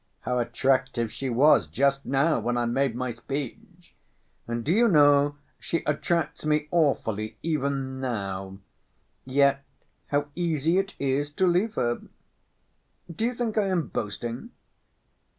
How attractive she was just now when I made my speech! And do you know she attracts me awfully even now, yet how easy it is to leave her. Do you think I am boasting?"